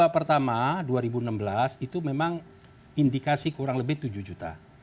dua ratus dua belas pertama dua ribu enam belas itu memang indikasi kurang lebih tujuh juta